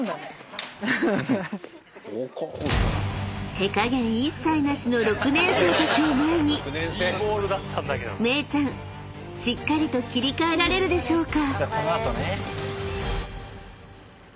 ［手加減一切なしの６年生たちを前にめいちゃんしっかりと切り替えられるでしょうか？］